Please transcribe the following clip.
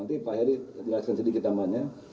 nanti pak heri jelaskan sedikit namanya